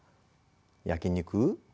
焼き肉？